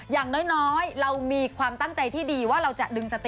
อย่างน้อยเรามีความตั้งใจที่ดีว่าเราจะดึงสติ